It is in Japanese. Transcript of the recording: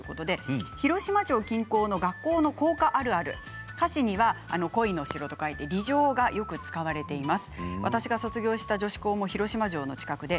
広島城近郊の学校の校歌あるある鯉の城と書いて鯉城はよく使われています。